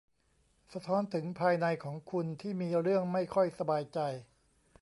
สะท้อนถึงภายในของคุณที่มีเรื่องไม่ค่อยสบายใจ